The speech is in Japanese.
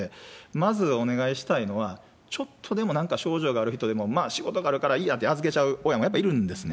まずお願いしたいのは、ちょっとでもなんか症状がある人でも、仕事があるからいいやって預けちゃう親もやっぱりいるんですね。